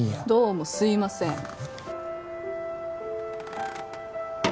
どうもすいません